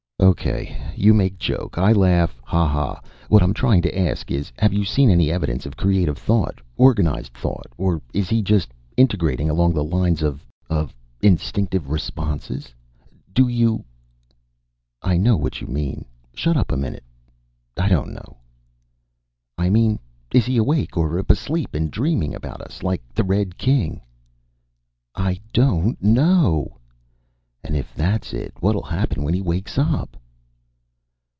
"Okay. You make joke, I laugh, ha ha. What I'm trying to ask is, have you seen any evidence of creative thought, organized thought, or is he just integrating, along the lines of of instinctive responses? Do you " "I know what you mean. Shut up a minute.... I don't know." "I mean is he awake, or asleep and dreaming about us, like the Red King?" "I don't know!" "And if that's it, what'll happen when he wakes up?"